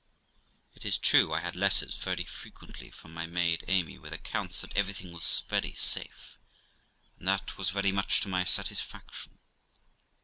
It is true I had letters very frequently from my maid Amy, with accounts that everything was very safe, and that was very much to my satisfaction.